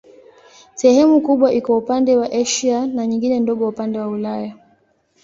Sehemu kubwa iko upande wa Asia na nyingine ndogo upande wa Ulaya.